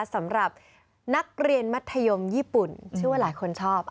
สำหรับนักเรียนมัธยมญี่ปุ่นชื่อว่าหลายคนชอบ